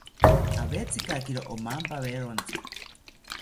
Awetzikakiro omampawerontzi